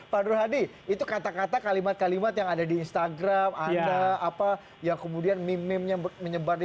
padu hadi itu kata kata kalimat kalimat yang ada di instagram anda apa ya kemudian mimpi menyebar di